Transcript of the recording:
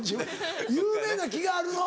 有名な木があるの？